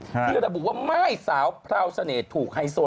ที่ระบุว่าม่ายสาวพราวเสน่ห์ถูกไฮโซ